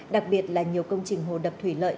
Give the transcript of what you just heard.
đặc biệt là nhiều công trình hồ đập thủy lợi